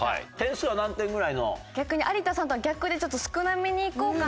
逆に有田さんとは逆でちょっと少なめにいこうかなと。